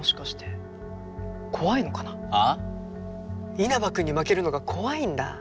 稲葉君に負けるのが怖いんだ。